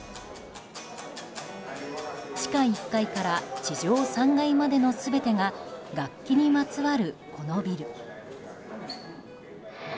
地下１階から地上３階までの全てが楽器にまつわるこのビル。